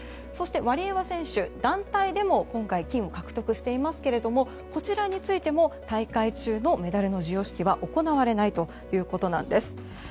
そして、ワリエワ選手団体でも今回金を獲得していますがこちらについても大会中のメダルの授与式は行われないということなんです。